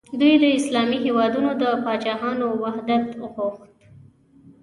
دوی د اسلامي هیوادونو د پاچاهانو وحدت غوښت.